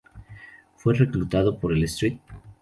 Fue reclutado por el St.